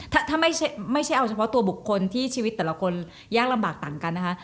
ถ้าไม่ใช่เอาเฉพาะตัวบุคคลที่ชีวิตแต่ละคนยากลำบากต่างกันนะคะ